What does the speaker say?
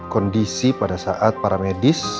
kondisi pada saat para medis